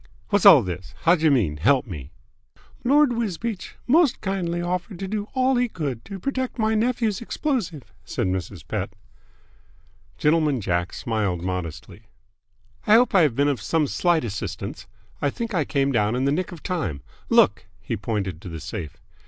"Whassall this? Howjer mean help me?" "Lord Wisbeach most kindly offered to do all he could to protect my nephew's explosive," said Mrs. Pett. Gentleman Jack smiled modestly. "I hope I have been of some slight assistance! I think I came down in the nick of time. Look!" He pointed to the safe.